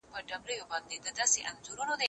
زه هره ورځ سبا ته پلان جوړوم